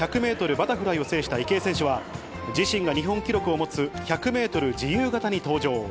バタフライを制した池江選手は、自身が日本記録を持つ１００メートル自由形に登場。